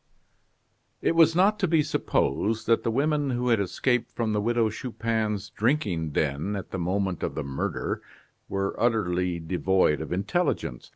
It was not to be supposed that the women who had escaped from the Widow Chupin's drinking den at the moment of the murder were utterly devoid of intelligence.